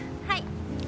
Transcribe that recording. はい。